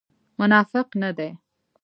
منافق نه دی.